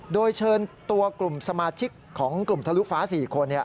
โดยเชิญตัวกลุ่มสมาชิกของกลุ่มทะลุฟ้า๔คน